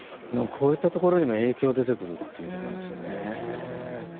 こういったところにも影響が出てくるということですよね。